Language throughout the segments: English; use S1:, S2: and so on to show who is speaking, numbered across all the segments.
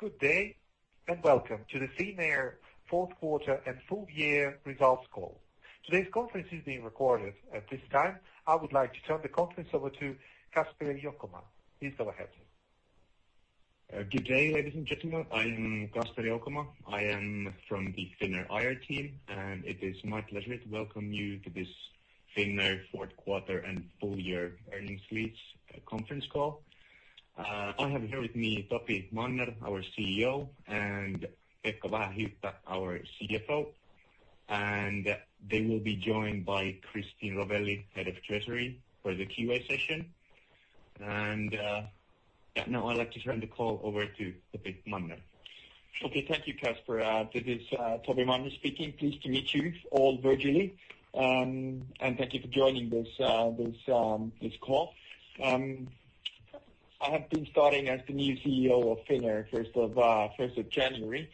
S1: Good day, welcome to the Finnair fourth quarter and full year results call. Today's conference is being recorded. At this time, I would like to turn the conference over to Kasperi Kalske. Please go ahead.
S2: Good day, ladies and gentlemen. I am Kasperi Kalske. I am from the Finnair IR team, It is my pleasure to welcome you to this Finnair fourth quarter and full year earnings leads conference call. I have here with me Topi Manner, our CEO, Pekka Vähähyyppä, our CFO, and they will be joined by Christine Rovelli, Head of Treasury, for the QA session. Now I'd like to turn the call over to Topi Manner.
S3: Okay. Thank you, Kasper. This is Topi Manner speaking. Pleased to meet you all virtually, Thank you for joining this call. I have been starting as the new CEO of Finnair, 1st of January,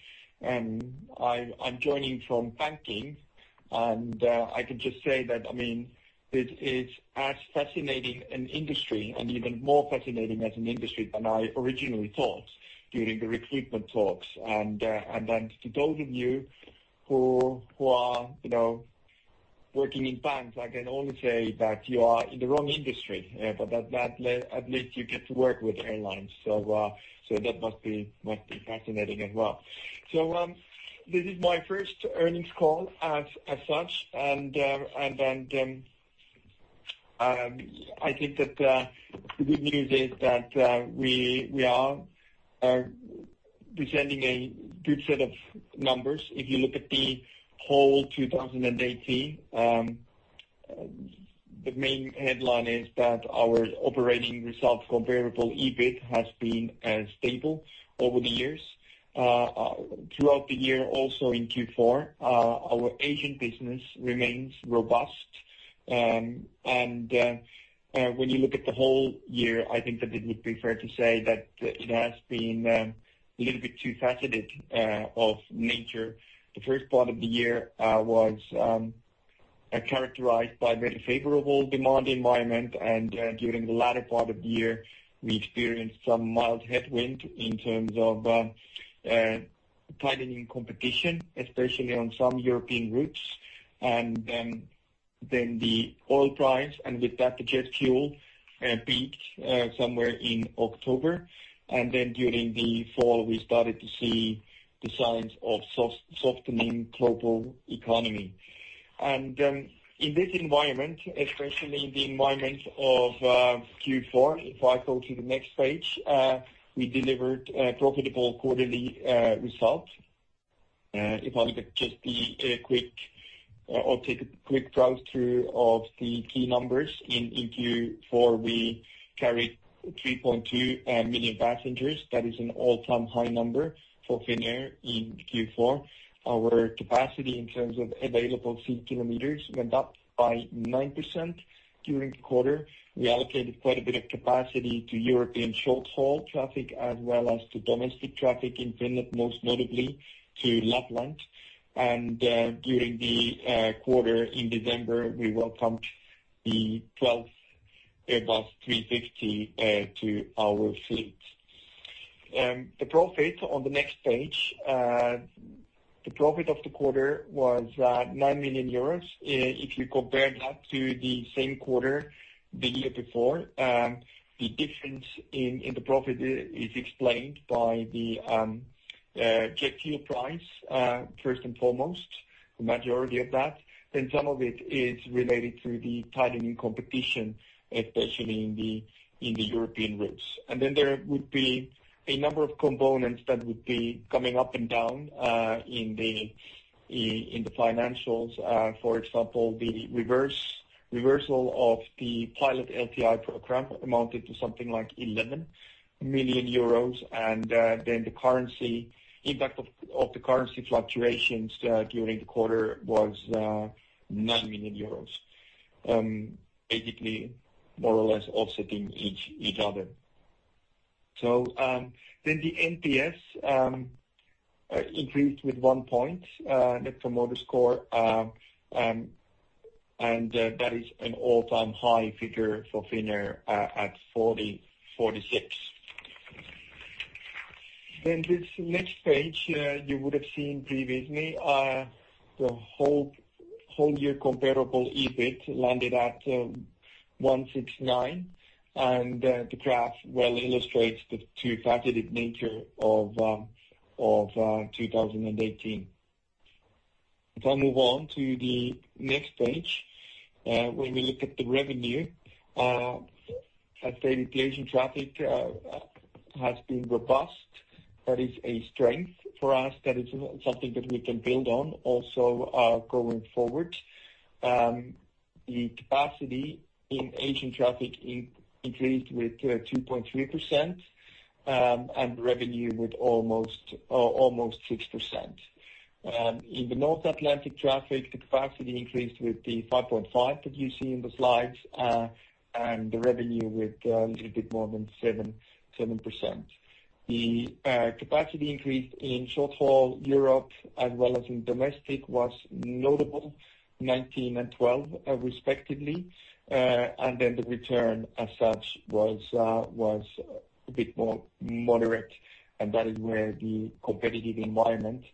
S3: I'm joining from banking. I can just say that, it is as fascinating an industry and even more fascinating as an industry than I originally thought during the recruitment talks. To those of you who are working in banks, I can only say that you are in the wrong industry. At least you get to work with airlines. That must be fascinating as well. This is my first earnings call as such, I think that the good news is that we are presenting a good set of numbers. If you look at the whole 2018, the main headline is that our operating results comparable EBIT has been stable over the years. Throughout the year, also in Q4, our Asian business remains robust. When you look at the whole year, I think that it would be fair to say that it has been a little bit two-faceted of nature. The first part of the year was characterized by very favorable demand environment, During the latter part of the year, we experienced some mild headwind in terms of tightening competition, especially on some European routes. The oil price and with that, the jet fuel peaked somewhere in October. During the fall, we started to see the signs of softening global economy. In this environment, especially in the environment of Q4, if I go to the next page, we delivered a profitable quarterly result. If I could just be quick or take a quick browse through of the key numbers. In Q4, we carried 3.2 million passengers. That is an all-time high number for Finnair in Q4. Our capacity in terms of available seat kilometers went up by 9% during the quarter. We allocated quite a bit of capacity to European short-haul traffic as well as to domestic traffic in Finland, most notably to Lapland. During the quarter in November, we welcomed the 12th Airbus A350 to our fleet. The profit on the next page. The profit of the quarter was 9 million euros. If you compare that to the same quarter the year before, the difference in the profit is explained by the jet fuel price first and foremost, majority of that, then some of it is related to the tightening competition, especially in the European routes. There would be a number of components that would be coming up and down in the financials. For example, the reversal of the pilot LTI program amounted to something like 11 million euros, and then the impact of the currency fluctuations during the quarter was 9 million euros. Basically, more or less offsetting each other. The NPS increased with one point Net Promoter Score, and that is an all-time high figure for Finnair at 46. This next page, you would have seen previously the whole year comparable EBIT landed at 169, and the graph well illustrates the two-faceted nature of 2018. If I move on to the next page. When we look at the revenue, I'd say the Asian traffic has been robust. That is a strength for us. That is something that we can build on also going forward. The capacity in Asian traffic increased with 2.3% and revenue with almost 6%. In the North Atlantic traffic, the capacity increased with the 5.5% that you see in the slides, and the revenue with a little bit more than 7%. The capacity increase in short-haul Europe as well as in domestic was notable, 19% and 12% respectively. The return as such was a bit more moderate, and that is where the competitive environment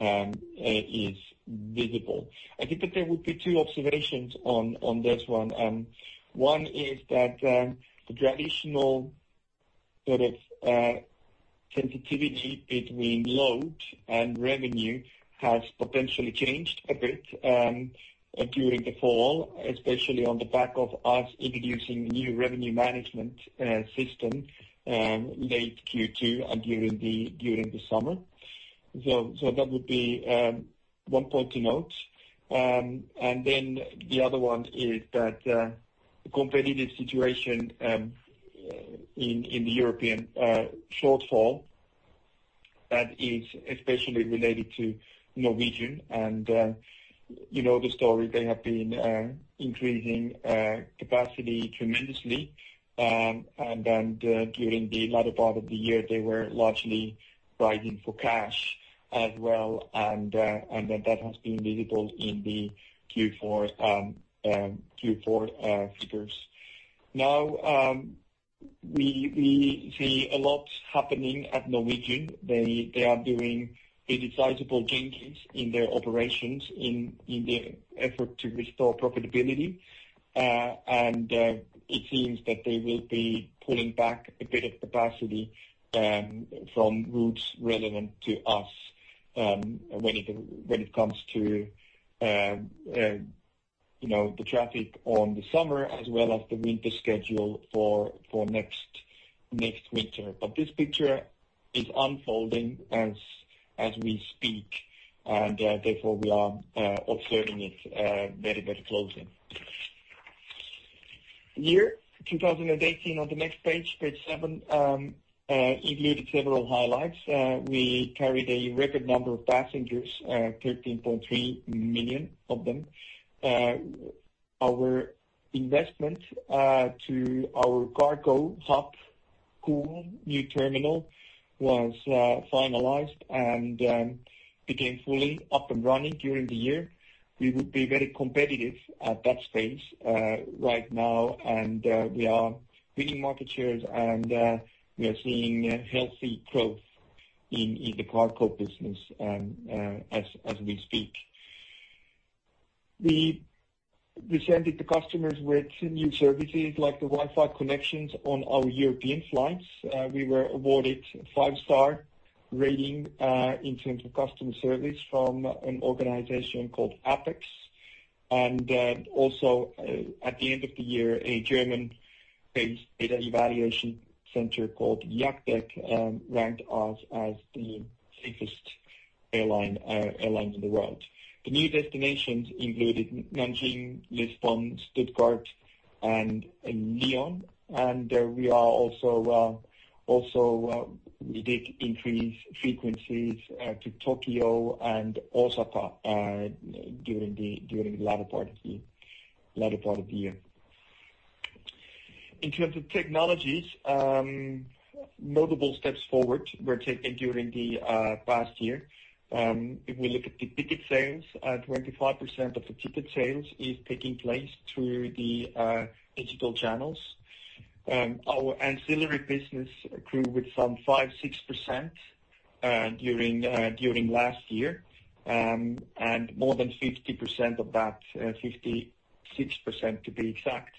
S3: is visible. I think that there would be two observations on this one. One is that the traditional sort of sensitivity between load and revenue has potentially changed a bit during the fall, especially on the back of us introducing new revenue management system late Q2 and during the summer. That would be one point to note. The other one is that the competitive situation in the European short-haul, that is especially related to Norwegian. You know the story, they have been increasing capacity tremendously. During the latter part of the year, they were largely riding for cash as well, and then that has been visible in the Q4 figures. We see a lot happening at Norwegian. They are doing a sizable changes in their operations in their effort to restore profitability. It seems that they will be pulling back a bit of capacity from routes relevant to us when it comes to the traffic on the summer as well as the winter schedule for next winter. This picture is unfolding as we speak, and therefore we are observing it very closely. The year 2018 on the next page seven, included several highlights. We carried a record number of passengers, 13.3 million of them. Our investment to our cargo hub, COOL Terminal, was finalized and became fully up and running during the year. We would be very competitive at that space right now, we are winning market shares, and we are seeing healthy growth in the cargo business as we speak. We presented the customers with new services like the Wi-Fi connections on our European flights. We were awarded five-star rating in terms of customer service from an organization called APEX. Also at the end of the year, a German-based data evaluation center called JACDEC ranked us as the safest airline in the world. The new destinations included Nanjing, Lisbon, Stuttgart, and Lyon. We did increase frequencies to Tokyo and Osaka during the latter part of the year. In terms of technologies, multiple steps forward were taken during the past year. If we look at the ticket sales, 25% of the ticket sales is taking place through the digital channels. Our ancillary business grew with some five, 6% during last year. More than 50% of that, 56% to be exact,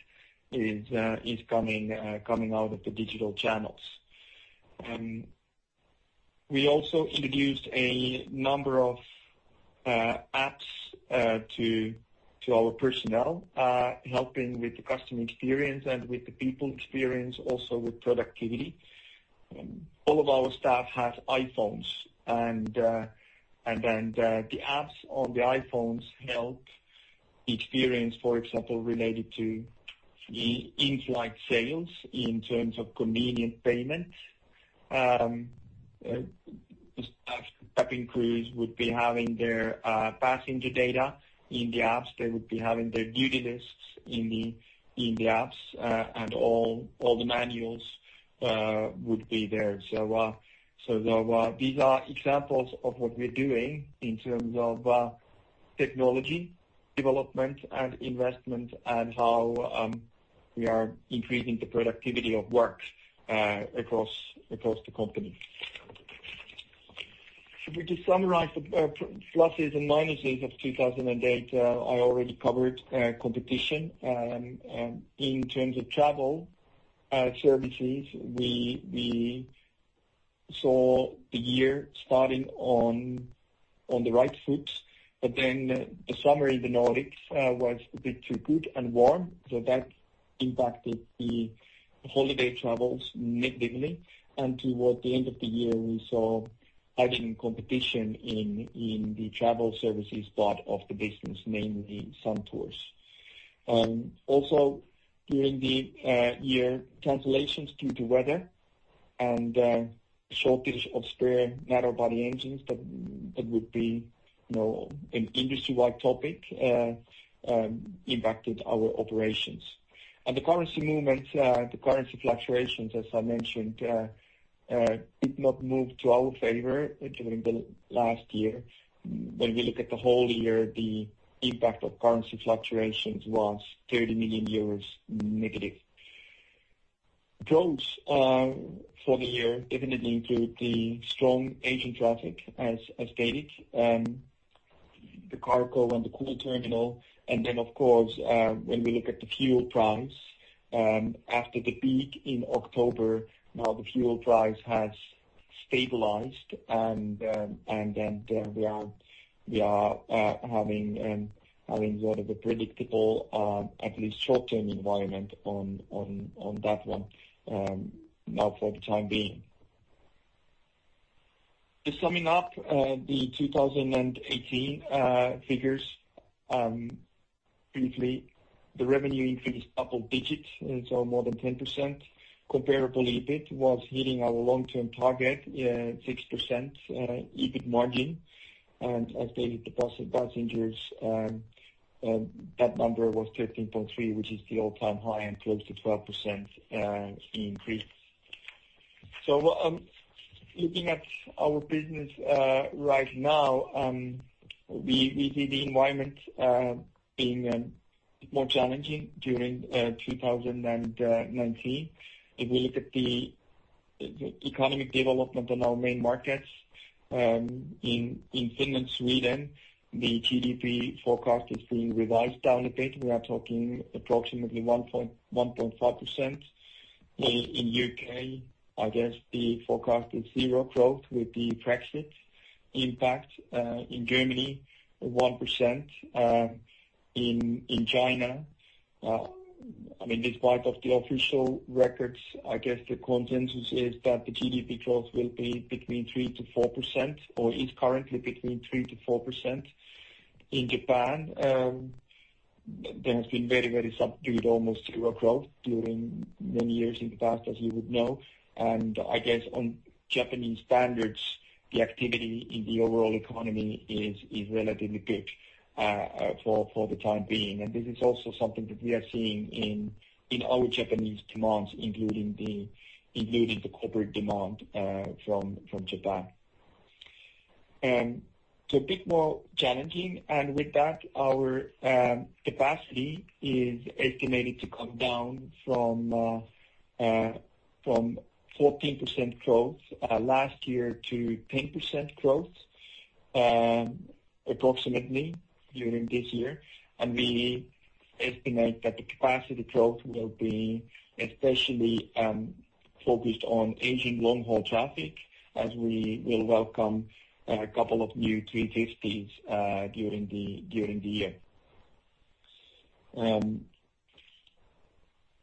S3: is coming out of the digital channels. We also introduced a number of apps to our personnel, helping with the customer experience and with the people experience, also with productivity. All of our staff have iPhones, and the apps on the iPhones help experience, for example, related to the in-flight sales in terms of convenient payment. Staff and crews would be having their passenger data in the apps. They would be having their duty lists in the apps, and all the manuals would be there. These are examples of what we're doing in terms of technology development and investment and how we are increasing the productivity of work across the company. To summarize the pluses and minuses of 2018, I already covered competition. In terms of travel services, we saw the year starting on the right foot. The summer in the Nordics was a bit too good and warm, so that impacted the holiday travels negatively. Towards the end of the year, we saw heightened competition in the travel services part of the business, mainly some tours. Also during the year, cancellations due to weather and shortage of spare narrow-body engines. That would be an industry-wide topic impacted our operations. The currency movements, the currency fluctuations, as I mentioned, did not move to our favor during the last year. When we look at the whole year, the impact of currency fluctuations was 30 million euros negative. Growth for the year definitely include the strong Asian traffic as stated, the cargo and the COOL Terminal. Of course, when we look at the fuel price, after the peak in October, the fuel price has stabilized. We are having sort of a predictable, at least short-term environment on that one now for the time being. Just summing up the 2018 figures briefly. The revenue increased double digits, more than 10%. Comparable EBIT was hitting our long-term target, 6% EBIT margin. As stated, the passengers, that number was 13.3, which is the all-time high and close to 12% increase. Looking at our business right now, we see the environment being more challenging during 2019. If we look at the economic development on our main markets, in Finland, Sweden, the GDP forecast is being revised down a bit. We are talking approximately 1.5%. In U.K., I guess the forecast is zero growth with the Brexit impact. In Germany, 1%. In China, despite of the official records, I guess the consensus is that the GDP growth will be between 3%-4%, or is currently between 3%-4%. In Japan, there has been very subdued, almost zero growth during many years in the past, as you would know. I guess on Japanese standards, the activity in the overall economy is relatively good for the time being. This is also something that we are seeing in our Japanese demands, including the corporate demand from Japan. A bit more challenging. With that, our capacity is estimated to come down from 14% growth last year to 10% growth, approximately during this year. We estimate that the capacity growth will be especially focused on Asian long-haul traffic as we will welcome a couple of new A350s during the year.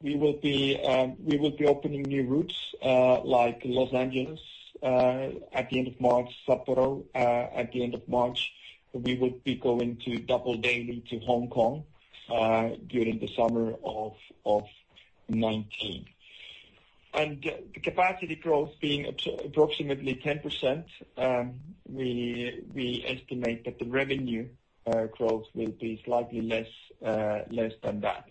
S3: We will be opening new routes like Los Angeles at the end of March, Sapporo at the end of March. We will be going to double daily to Hong Kong during the summer of 2019. The capacity growth being approximately 10%, we estimate that the revenue growth will be slightly less than that.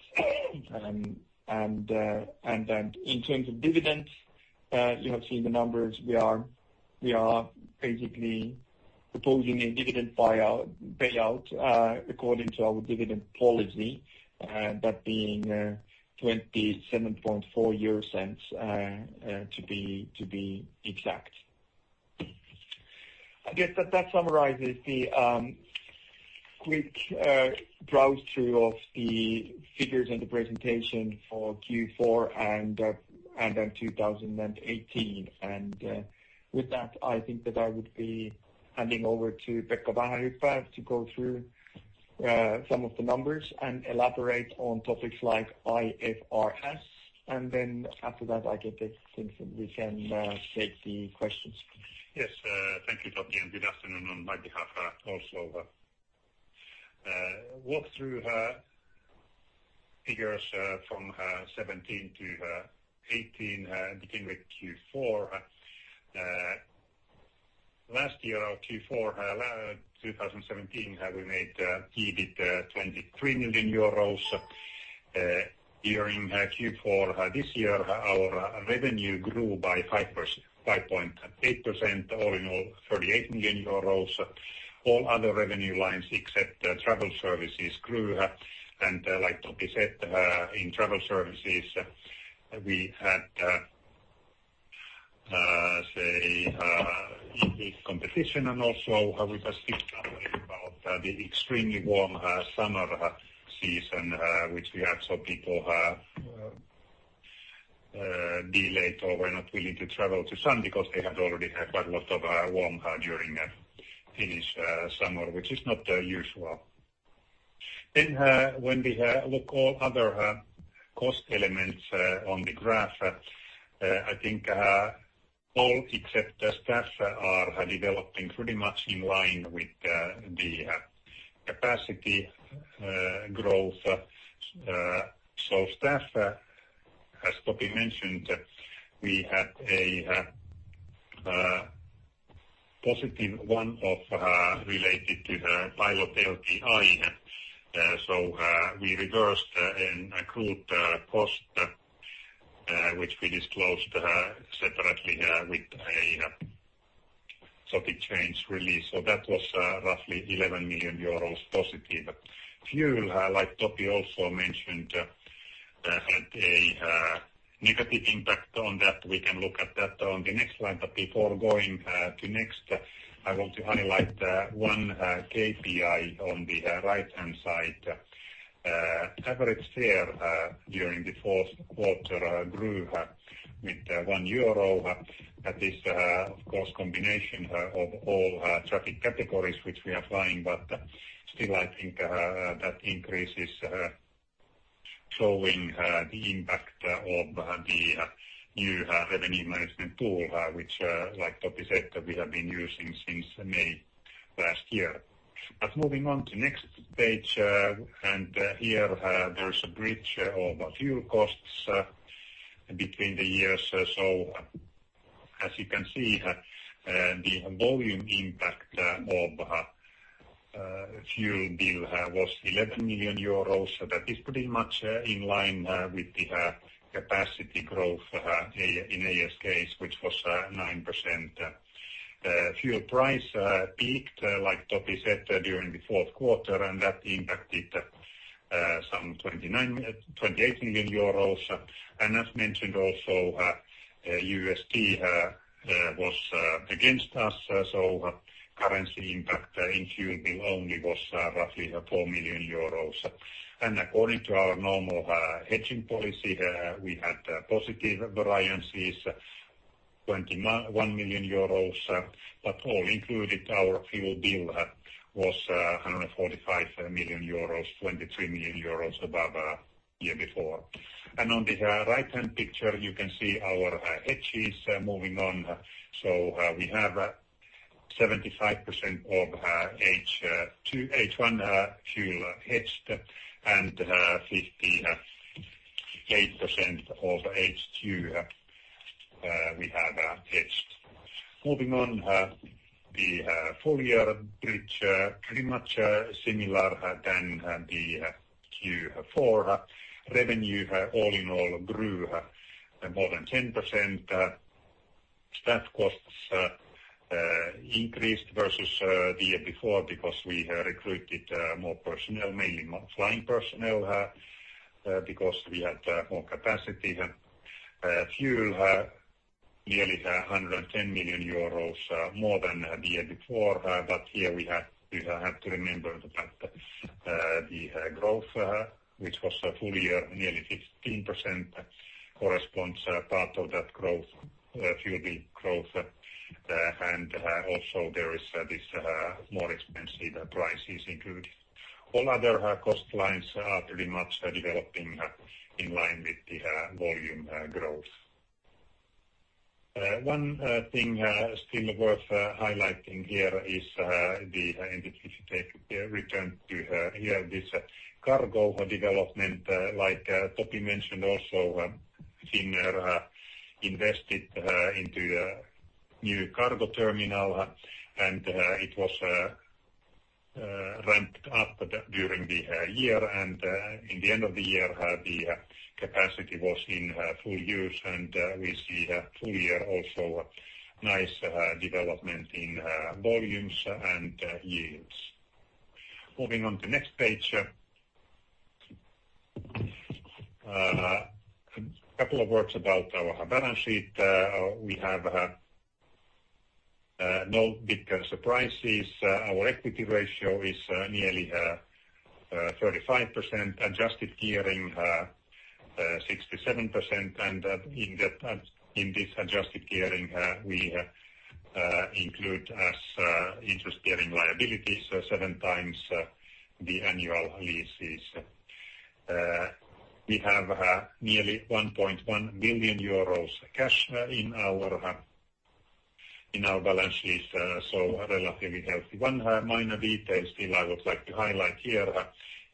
S3: In terms of dividends, you have seen the numbers. We are basically proposing a dividend payout according to our dividend policy, that being 0.274 to be exact. I guess that summarizes the quick browse through of the figures in the presentation for Q4 and 2018. With that, I think that I would be handing over to Pekka Vähähyyppä to go through some of the numbers and elaborate on topics like IFRS. After that, I think we can take the questions.
S4: Yes. Thank you, Topi, and good afternoon on my behalf also. Walk through figures from 2017 to 2018, beginning with Q4. Last year, our Q4, 2017, we made EBIT 23 million euros. During Q4 this year, our revenue grew by 5.8%, all in all 38 million euros. All other revenue lines except travel services grew. Like Topi said, in travel services, we had, say, EBIT competition and also we have seen something about the extremely warm summer season which we had. People delayed or were not willing to travel to sun because they had already had quite a lot of warm during Finnish summer, which is not usual. When we look all other cost elements on the graph, I think all except the staff are developing pretty much in line with the capacity growth. Staff. As Topi mentioned, we had a positive one-off related to the pilot LTI. We reversed an accrued cost, which we disclosed separately with a topic change release. That was roughly 11 million euros positive. Fuel, like Topi also mentioned, had a negative impact on that. We can look at that on the next slide. Before going to next, I want to highlight one KPI on the right-hand side. Average fare during the fourth quarter grew with 1 euro. That is, of course, combination of all traffic categories which we are flying. Still, I think that increase is showing the impact of the new revenue management tool, which, like Topi said, we have been using since May last year. Moving on to next page. Here, there is a bridge of fuel costs between the years. As you can see, the volume impact of fuel bill was EUR 11 million. That is pretty much in line with the capacity growth in ASK, which was 9%. Fuel price peaked, like Topi said, during the fourth quarter, and that impacted some 28 million euros. As mentioned also, USD was against us, currency impact in fuel bill only was roughly $4 million. According to our normal hedging policy, we had positive variances, 21 million euros. All included, our fuel bill was 145 million euros, 23 million euros above year before. On the right-hand picture, you can see our hedges moving on. We have 75% of H1 fuel hedged, and 58% of H2 we have hedged. Moving on. The full year bridge pretty much similar than the Q4. Revenue all in all grew more than 10%. Staff costs increased versus the year before because we recruited more personnel, mainly more flying personnel, because we had more capacity. Fuel, nearly 110 million euros more than the year before. Here we have to remember that the growth, which was full year nearly 15%, corresponds part of that growth, fuel bill growth. Also there is this more expensive prices included. All other cost lines are pretty much developing in line with the volume growth. One thing still worth highlighting here is the entity return to here, this cargo development like Topi mentioned also. Finnair invested into a new cargo terminal, and it was ramped up during the year. In the end of the year, the capacity was in full use, and we see full year also nice development in volumes and yields. Moving on to next page. A couple of words about our balance sheet. We have no big surprises. Our equity ratio is nearly 35%, adjusted gearing 67%. In this adjusted gearing, we include as interest-bearing liabilities seven times the annual leases. We have nearly 1.1 billion euros cash in our balance sheet, so relatively healthy. One minor detail still I would like to highlight here.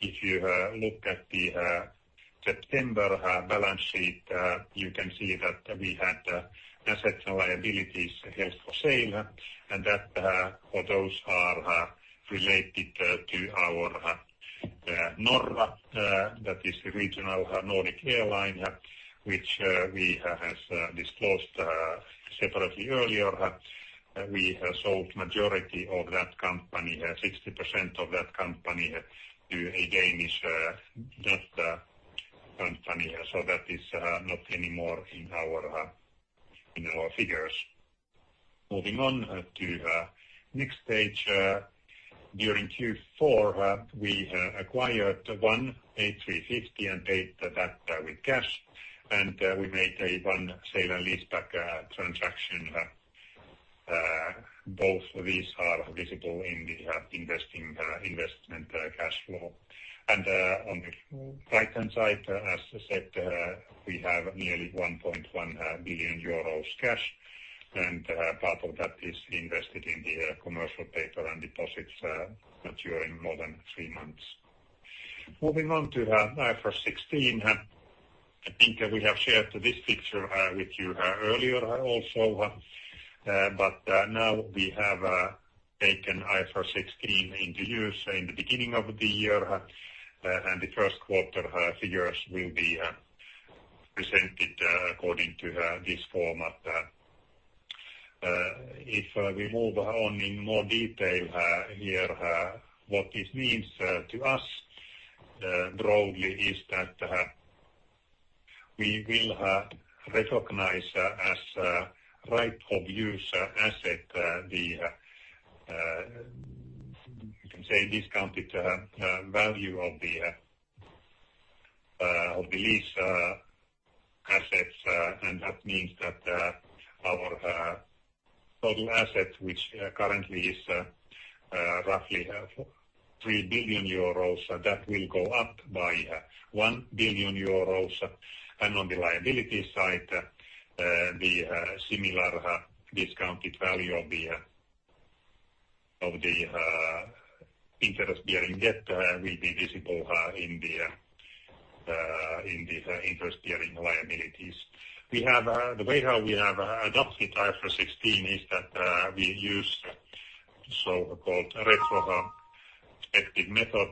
S4: If you look at the September balance sheet, you can see that we had assets and liabilities held for sale, and those are related to our Norra. That is a regional Nordic airline, which we have disclosed separately earlier. We sold majority of that company, 60% of that company, to a Danish company. That is not anymore in our figures. Moving on to next page. During Q4, we acquired one A350 and paid that with cash, and we made one sale and leaseback transaction. Both of these are visible in the investment cash flow. On the right-hand side, as I said, we have nearly 1.1 billion euros cash, and part of that is invested in the commercial paper and deposits maturing more than 3 months. Moving on to IFRS 16. I think we have shared this picture with you earlier also. Now we have taken IFRS 16 into use in the beginning of the year, and the first quarter figures will be presented according to this format. If we move on in more detail here, what this means to us broadly is that we will recognize as right-of-use asset the, you can say, discounted value of the lease assets. That means that our total asset, which currently is roughly 3 billion euros, that will go up by 1 billion euros. On the liability side, the similar discounted value of the interest-bearing debt will be visible in the interest-bearing liabilities. The way how we have adopted IFRS 16 is that we use so-called retrospective method.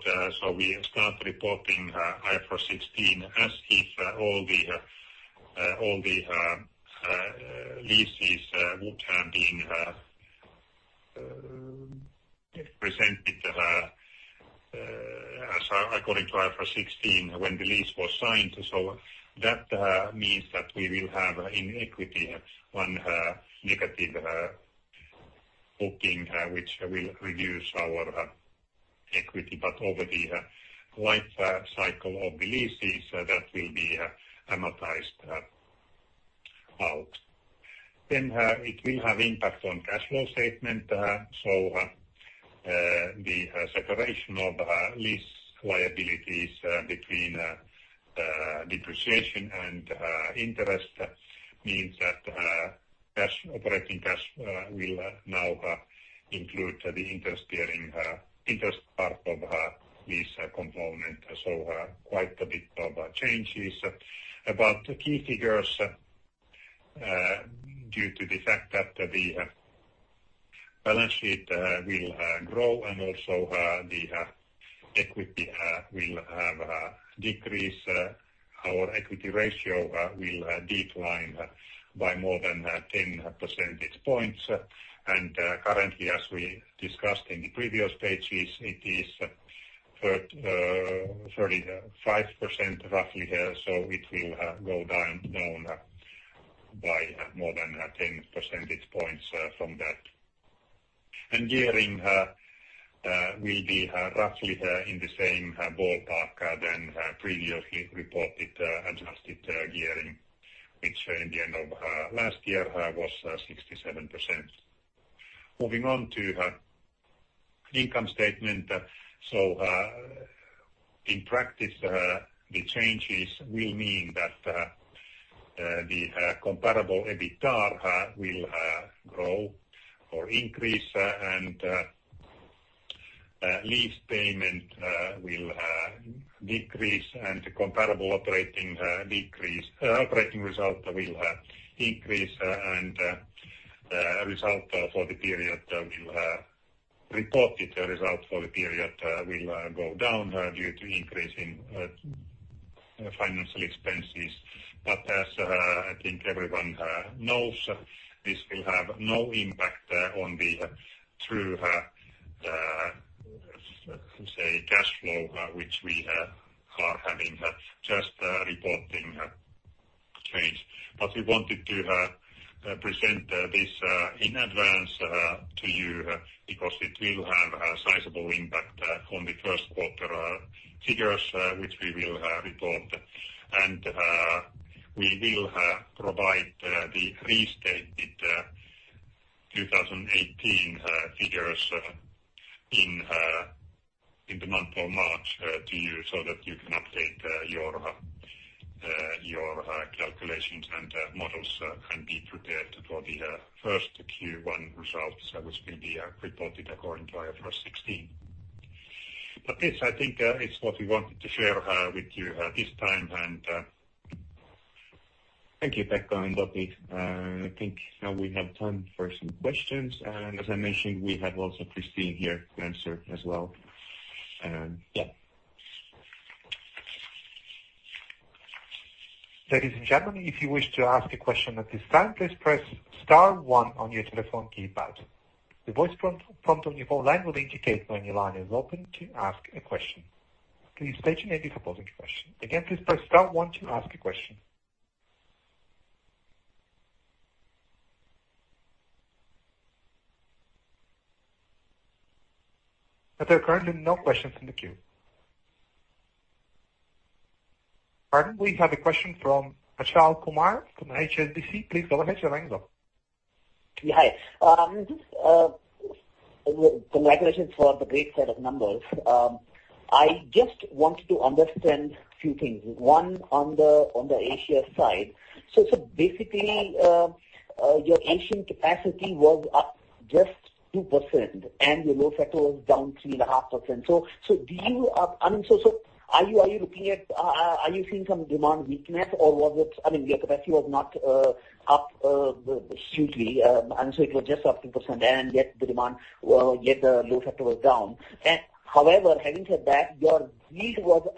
S4: We start reporting IFRS 16 as if all the leases would have been presented according to IFRS 16 when the lease was signed. That means that we will have in equity one negative booking which will reduce our equity. Over the life cycle of the leases, that will be amortized out. It will have impact on cash flow statement. The separation of lease liabilities between depreciation and interest means that operating cash will now include the interest part of lease component. Quite a bit of changes. About the key figures, due to the fact that the balance sheet will grow and also the equity will have a decrease, our equity ratio will decline by more than 10 percentage points. Currently, as we discussed in the previous pages, it is 35% roughly here. It will go down by more than 10 percentage points from that. Gearing will be roughly in the same ballpark than previously reported adjusted gearing, which in the end of last year was 67%. Moving on to income statement. In practice, the changes will mean that the comparable EBITDA will grow or increase, lease payment will decrease, the comparable operating result will increase, and reported result for the period will go down due to increase in financial expenses. As I think everyone knows, this will have no impact on the true cash flow which we are having, just reporting change. We wanted to present this in advance to you because it will have a sizable impact on the first quarter figures which we will report. We will provide the restated 2018 figures in the month of March to you so that you can update your calculations and models and be prepared for the first Q1 results, which will be reported according to IFRS 16. This, I think, is what we wanted to share with you this time.
S2: Thank you, Pekka and Topi. I think now we have time for some questions. As I mentioned, we have also Christine here to answer as well. Yeah.
S1: Ladies and gentlemen, if you wish to ask a question at this time, please press star one on your telephone keypad. The voice prompt on your phone line will indicate when your line is open to ask a question. Please state your name before posing a question. Again, please press star one to ask a question. There are currently no questions in the queue. Pardon? We have a question from Achal Kumar from HSBC. Please go ahead, your line's open.
S5: Hi. Congratulations for the great set of numbers. I just wanted to understand few things. One, on the Asia side. Basically, your Asian capacity was up just 2%, and your load factor was down 3.5%. Are you seeing some demand weakness or was it, your capacity was not up hugely, it was just up 2% and yet the load factor was down. However, having said that, your yield was,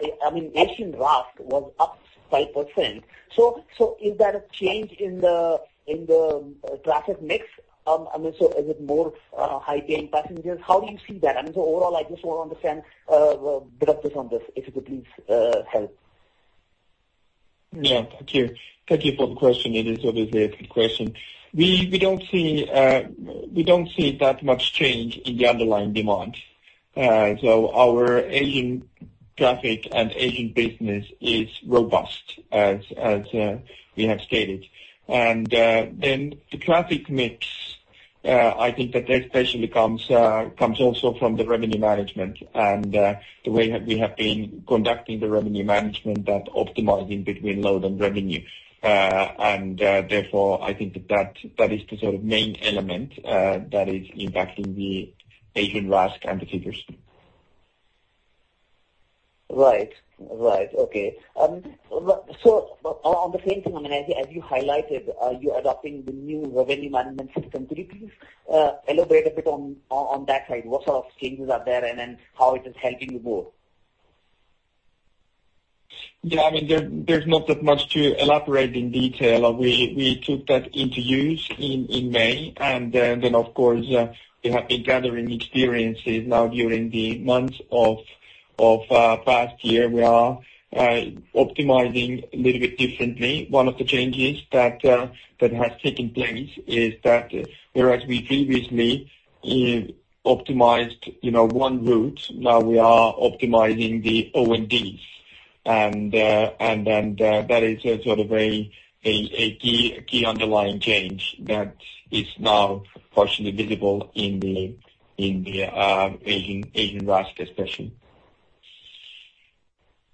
S5: Asian RASK was up 5%. Is that a change in the traffic mix? Is it more high-paying passengers? How do you see that? Overall, I just want to understand better on this, if you could please help.
S3: Yeah. Thank you for the question. It is obviously a good question. We don't see that much change in the underlying demand. Our Asian traffic and Asian business is robust, as we have stated. The traffic mix, I think that especially comes also from the revenue management and the way that we have been conducting the revenue management, that optimizing between load and revenue. Therefore, I think that is the sort of main element that is impacting the Asian RASK and the figures.
S5: Right. Okay. On the same thing, as you highlighted, you're adopting the new revenue management system. Could you please elaborate a bit on that side? What sort of changes are there how it is helping you more?
S3: Yeah, there's not that much to elaborate in detail. We took that into use in May. Of course, we have been gathering experiences now during the months of past year. We are optimizing a little bit differently. One of the changes that has taken place is that whereas we previously optimized one route, now we are optimizing the O&Ds. That is a sort of a key underlying change that is now partially visible in the Asian RASK especially.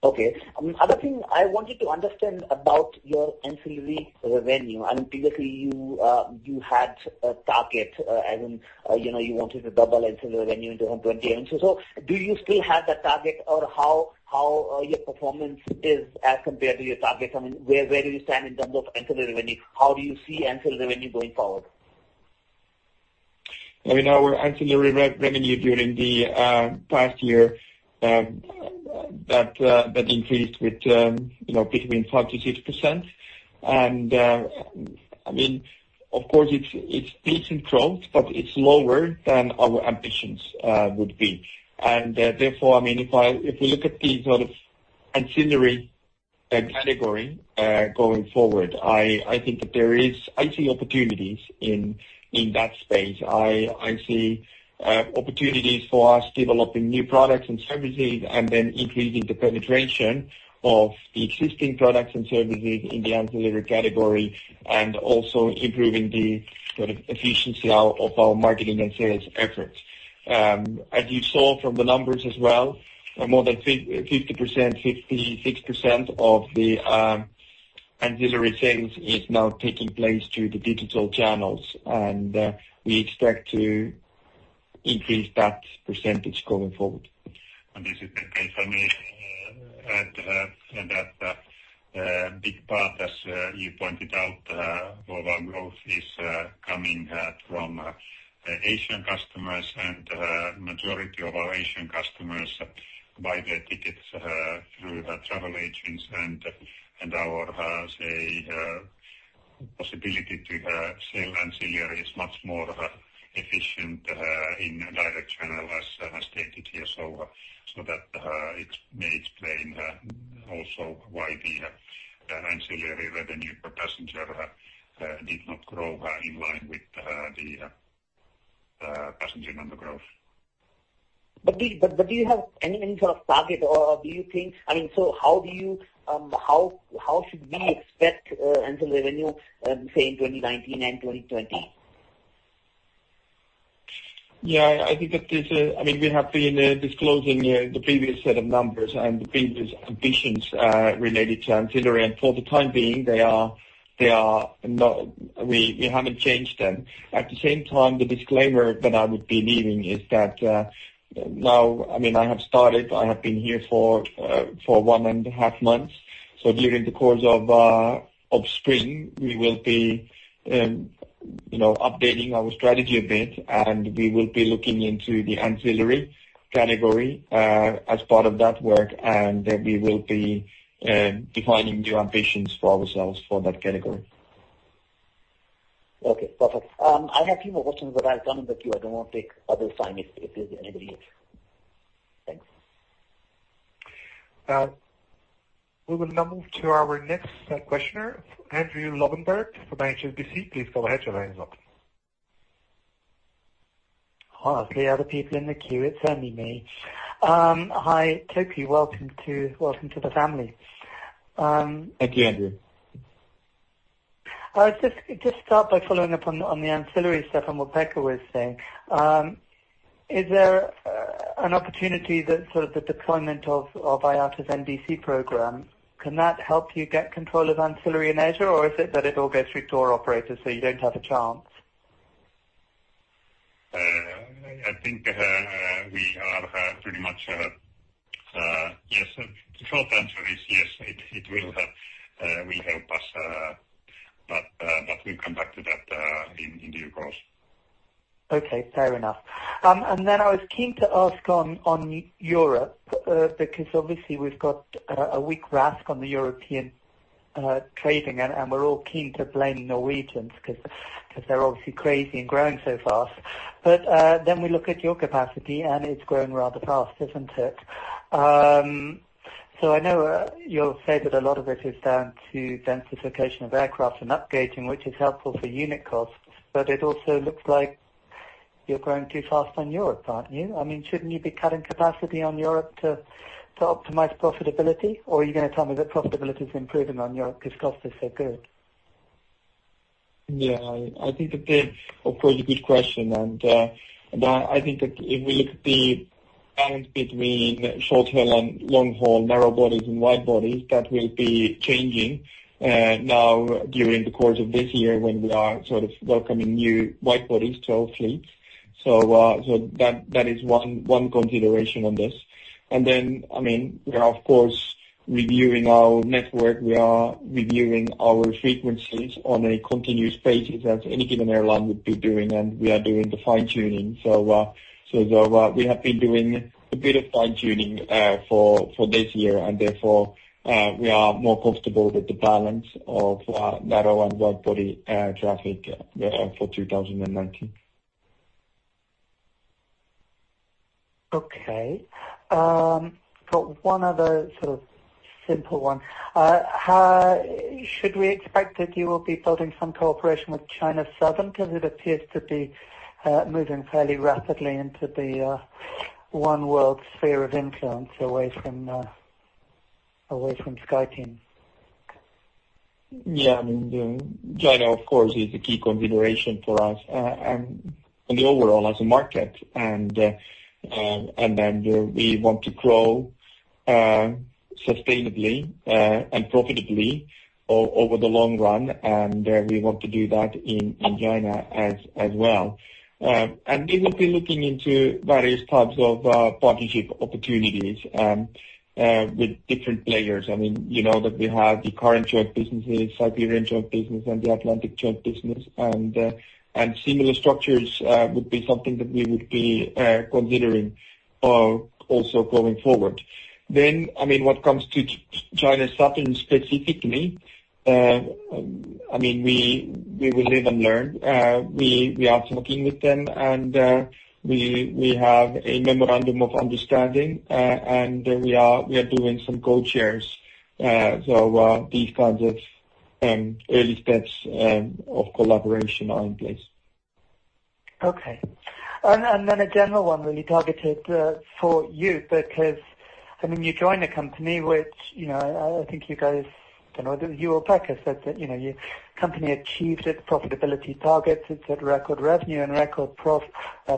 S5: Okay. Other thing I wanted to understand about your ancillary revenue. Previously you had a target, you wanted to double ancillary revenue to 120 million. Do you still have that target or how your performance is as compared to your target? Where do you stand in terms of ancillary revenue? How do you see ancillary revenue going forward?
S3: Our ancillary revenue during the past year that increased between 5%-6%. Of course it's decent growth, but it's lower than our ambitions would be. Therefore, if we look at the sort of ancillary category going forward, I think that I see opportunities in that space. I see opportunities for us developing new products and services and then increasing the penetration of the existing products and services in the ancillary category and also improving the efficiency of our marketing and sales efforts. As you saw from the numbers as well, more than 50%, 56% of the ancillary sales is now taking place through the digital channels. We expect to increase that percentage going forward.
S4: This is the case. That big part as you pointed out, of our growth is coming from Asian customers and majority of our Asian customers buy their tickets through travel agents and our possibility to sell ancillary is much more efficient in direct channel as stated here. That may explain also why the ancillary revenue per passenger did not grow in line with the passenger number growth.
S5: Do you have any sort of target? How should we expect ancillary revenue, say in 2019 and 2020?
S3: We have been disclosing the previous set of numbers and the previous ambitions related to ancillary, and for the time being, we haven't changed them. At the same time, the disclaimer that I would be leaving is that now, I have started, I have been here for one and a half months. During the course of spring, we will be updating our strategy a bit, and we will be looking into the ancillary category as part of that work, and then we will be defining new ambitions for ourselves for that category.
S5: Okay, perfect. I have few more questions. I'll come back to you. I don't want to take other's time if there's anybody else. Thanks.
S1: We will now move to our next questioner, Andrew Lobbenberg from HSBC. Please go ahead, your line's open.
S6: Oh, I see other people in the queue. It's only me. Hi, Topi. Welcome to the family.
S3: Thank you, Andrew.
S6: I'll just start by following up on the ancillary stuff and what Pekka was saying. Is there an opportunity that sort of the deployment of IATA's NDC program, can that help you get control of ancillary in Asia? Is it that it all goes through tour operators, so you don't have a chance?
S3: I think we are pretty much Yes. The short answer is yes, it will help us. We'll come back to that in due course.
S6: Okay, fair enough. I was keen to ask on Europe, because obviously we've got a weak RASK on the European trading, and we're all keen to blame Norwegian because they're obviously crazy and growing so fast. We look at your capacity, and it's growing rather fast, isn't it? I know you'll say that a lot of it is down to densification of aircraft and upgauging, which is helpful for unit costs, it also looks like you're growing too fast on Europe, aren't you? Shouldn't you be cutting capacity on Europe to optimize profitability? Are you going to tell me that profitability is improving on Europe because costs are so good?
S3: Yeah. I think that is of course a good question. I think that if we look at the balance between short-haul and long-haul narrow bodies and wide bodies, that will be changing now during the course of this year when we are sort of welcoming new wide bodies to our fleet. That is one consideration on this. We are of course reviewing our network. We are reviewing our frequencies on a continuous basis as any given airline would be doing, and we are doing the fine-tuning. We have been doing a bit of fine-tuning for this year, and therefore, we are more comfortable with the balance of narrow and wide-body air traffic for 2019.
S6: Okay. Got one other sort of simple one. Should we expect that you will be building some cooperation with China Southern? It appears to be moving fairly rapidly into the Oneworld sphere of influence away from SkyTeam.
S3: I mean, China, of course, is a key consideration for us and the overall as a market. We want to grow sustainably and profitably over the long run, and we want to do that in China as well. We will be looking into various types of partnership opportunities with different players. You know that we have the current joint businesses, Siberian Joint Business and the Atlantic Joint Business, and similar structures would be something that we would be considering also going forward. When it comes to China Southern specifically, we will live and learn. We are talking with them, we have a memorandum of understanding, and we are doing some codeshares. These kinds of early steps of collaboration are in place.
S6: A general one really targeted for you because you joined a company which I think you guys, I don't know, you or Pekka said that your company achieved its profitability targets. It is at record revenue and record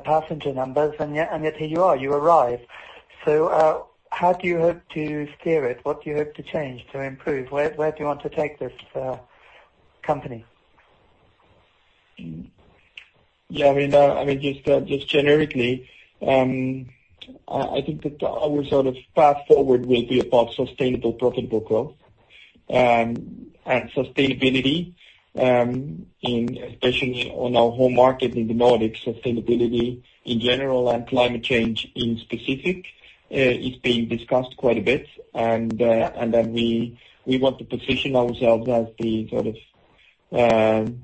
S6: passenger numbers, yet here you are, you arrive. How do you hope to steer it? What do you hope to change, to improve? Where do you want to take this company?
S3: Generically, I think that our sort of path forward will be about sustainable profitable growth. Sustainability, especially on our home market in the Nordics, sustainability in general and climate change in specific, is being discussed quite a bit. We want to position ourselves as the sort of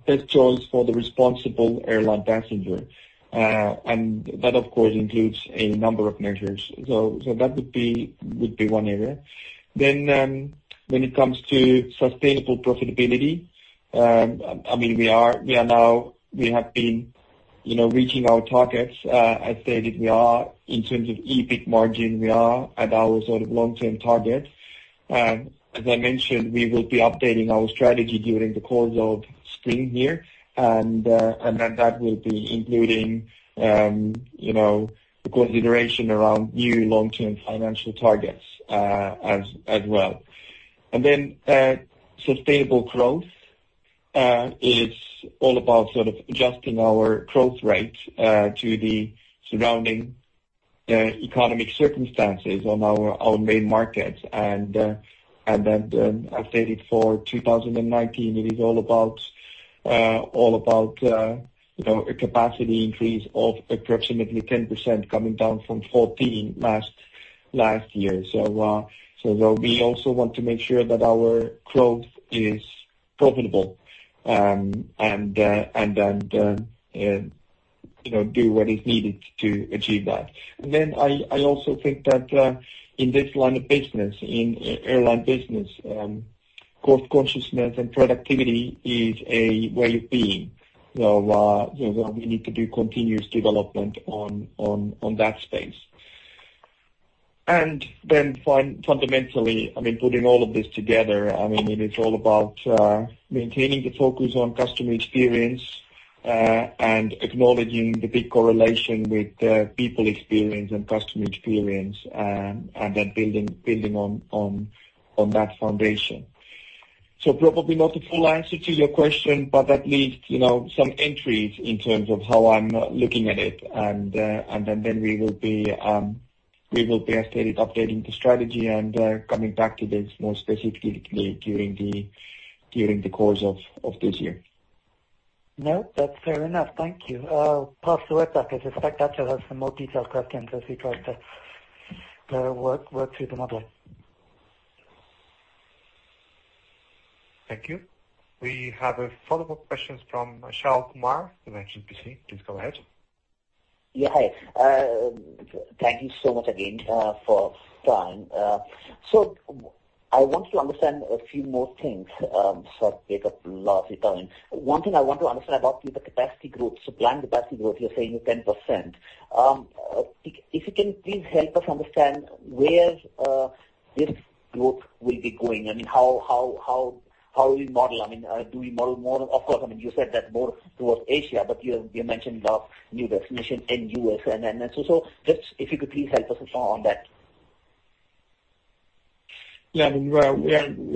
S3: best choice for the responsible airline passenger. That, of course, includes a number of measures. That would be one area. When it comes to sustainable profitability, we have been reaching our targets. As stated, in terms of EBIT margin, we are at our sort of long-term target. As I mentioned, we will be updating our strategy during the course of spring here, that will be including the consideration around new long-term financial targets as well. Sustainable growth is all about sort of adjusting our growth rate to the surrounding economic circumstances on our main markets. As stated for 2019, it is all about a capacity increase of approximately 10% coming down from 14 last year. We also want to make sure that our growth is profitable, do what is needed to achieve that. I also think that in this line of business, in airline business, cost consciousness and productivity is a way of being. We need to do continuous development on that space. Fundamentally, putting all of this together, it is all about maintaining the focus on customer experience and acknowledging the big correlation with people experience and customer experience, building on that foundation. Probably not a full answer to your question, but at least some entries in terms of how I'm looking at it. We will be updating the strategy and coming back to this more specifically during the course of this year.
S2: That's fair enough. Thank you. I'll pass to Webpack. I suspect that you'll have some more detailed questions as we try to work through the model.
S1: Thank you. We have follow-up questions from Achal Kumar from HSBC. Please go ahead.
S5: Hi. Thank you so much again for your time. I want to understand a few more things, so take up lots of time. One thing I want to understand about the capacity groups, supply and capacity group, you're saying 10%. If you can please help us understand where this group will be going. How will you model? Do we model more Of course, you said that more towards Asia, but you mentioned about new definition in U.S. Just if you could please help us on that.
S3: Yeah. We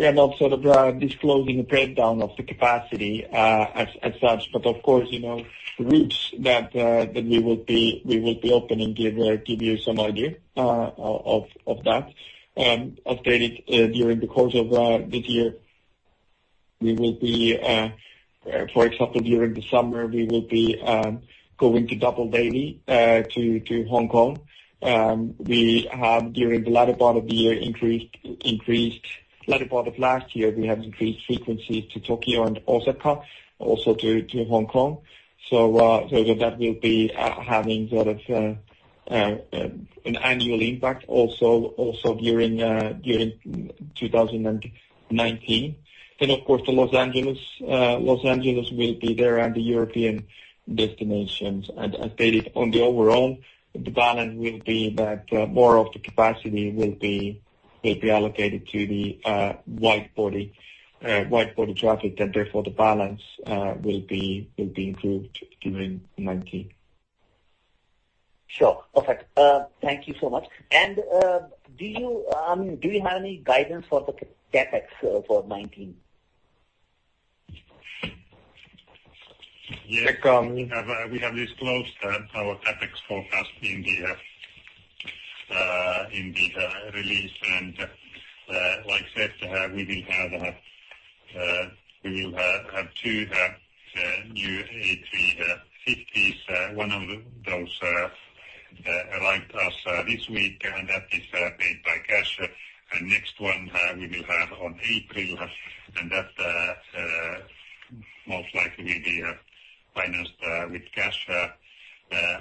S3: are not sort of disclosing a breakdown of the capacity as such, but of course, the routes that we will be opening give you some idea of that. As stated during the course of this year, for example, during the summer, we will be going to double daily to Hong Kong. We have, during the latter part of last year, we have increased frequencies to Tokyo and Osaka, also to Hong Kong. That will be having sort of an annual impact also during 2019. Of course, Los Angeles will be there and the European destinations. As stated, on the overall, the balance will be that more of the capacity will be allocated to the wide-body traffic, and therefore the balance will be improved during 2019.
S5: Sure. Perfect. Thank you so much. Do you have any guidance for the CapEx for 2019?
S3: Yes. We have disclosed our CapEx forecast in the release. Like I said, we will have two new A350s. One of those arrived last this week and that is paid by cash. Next one we will have on April, and that most likely will be financed with cash. I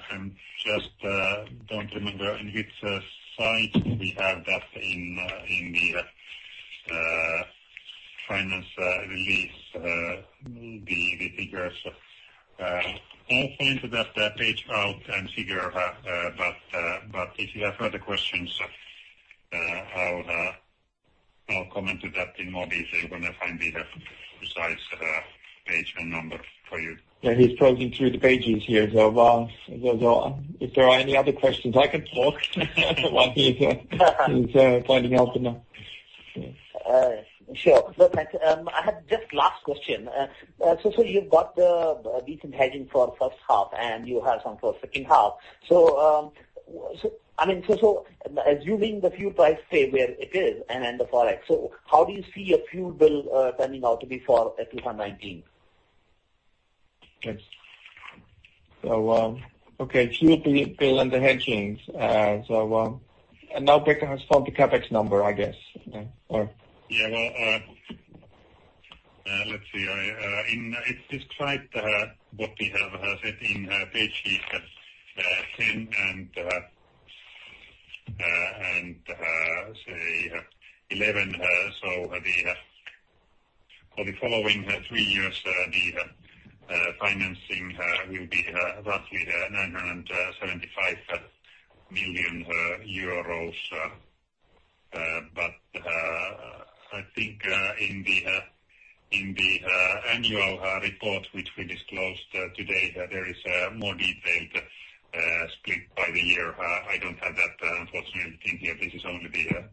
S3: just don't remember on which page we have that in the finance release, the figures. I'll find that page out and figure, but if you have further questions, I'll comment to that in more detail when I find the precise page and number for you.
S2: Yeah, he's probing through the pages here. If there are any other questions, I can talk while he's finding out the number.
S5: Sure. No, thanks. I have just last question. You've got the recent hedging for first half, and you have some for second half. Assuming the fuel price stay where it is and the Forex, how do you see a fuel bill turning out to be for 2019?
S3: Okay. Fuel bill and the hedgings. Now Pekka has found the CapEx number, I guess.
S4: Yeah. Let's see. It's described what we have said in page 10 and page 11. For the following three years, the financing will be roughly 975 million euros. I think in the annual report which we disclosed today, there is a more detailed split by the year. I don't have that unfortunately in here. This is only the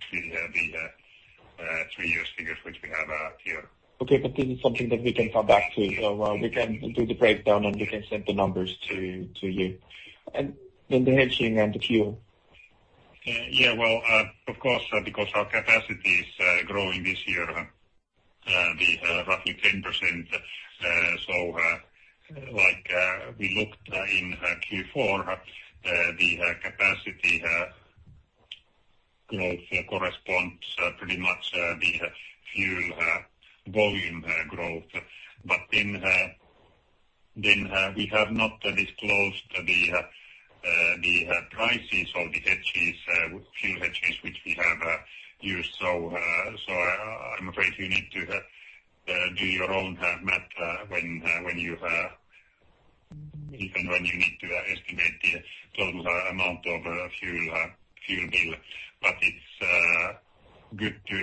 S4: three years figures which we have here.
S2: Okay. This is something that we can come back to. We can do the breakdown, and we can send the numbers to you. Then the hedging and the fuel.
S4: Yeah. Of course because our capacity is growing this year, the roughly 10%, like we looked in Q4, the capacity growth corresponds pretty much the fuel volume growth. We have not disclosed the prices of the fuel hedges which we have used. I'm afraid you need to do your own math even when you need to estimate the total amount of fuel bill. It's good to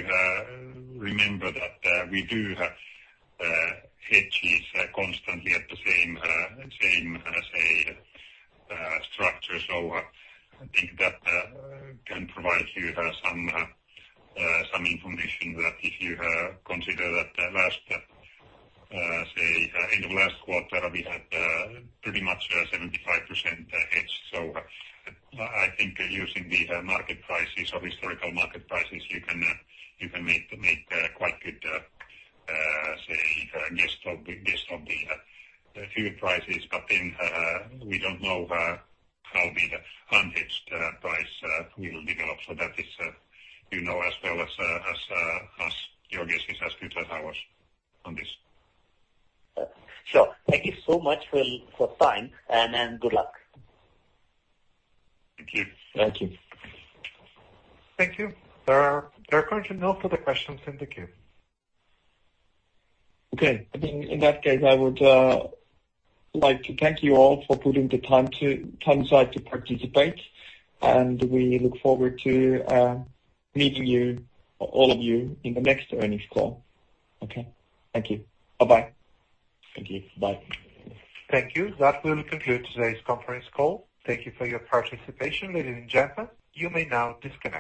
S4: remember that we do hedges constantly at the same, say, structure. I think that can provide you some information that if you consider that in the last quarter, we had pretty much 75% hedge. I think using the market prices or historical market prices, you can make quite good, say, guess of the fuel prices. We don't know how the unhedged price will develop. That is, you know as well as your guess is as good as ours on this.
S5: Sure. Thank you so much for time, and good luck.
S4: Thank you.
S3: Thank you.
S1: Thank you. There are currently no further questions in the queue.
S3: Okay. In that case, I would like to thank you all for putting the time aside to participate. We look forward to meeting all of you in the next earnings call. Okay. Thank you. Bye-bye.
S1: Thank you. Bye. Thank you. That will conclude today's conference call. Thank you for your participation. Ladies and gentlemen, you may now disconnect.